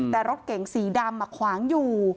แต่รถเก๋งสีดำขวางอยู่